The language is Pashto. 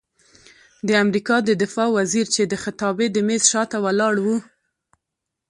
د امریکا د دفاع وزیر چې د خطابې د میز شاته ولاړ و،